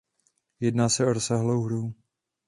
Jedná se o rozsáhlou hru.